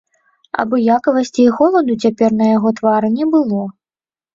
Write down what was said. Абыякавасці і холаду цяпер на яго твары не было.